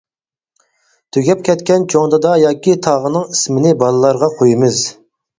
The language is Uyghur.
تۈگەپ كەتكەن چوڭ دادا ياكى تاغىنىڭ ئىسىمنى بالىلارغا قويىمىز.